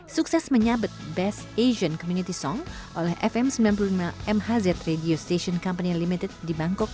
sukses menyabet best asian community song oleh fm sembilan puluh lima mhz radio station company limited di bangkok